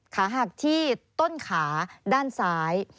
ขาหักที่ต้นขาด้านซ้าย